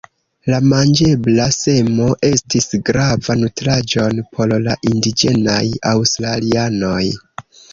La manĝebla semo estis grava nutraĵon por la indiĝenaj aŭstralianoj.